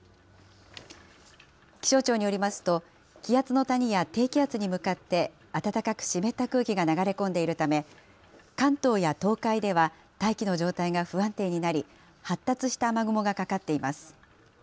気象庁によりますと、気圧の谷や低気圧に向かって、暖かく湿った空気が流れ込んでいるため、関東や東海では、大気の状態が不安定になり、発達した雨雲がかかっています。